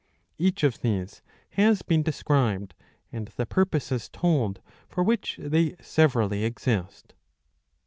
Each of these has been described, and the purposes told for which they severally exist.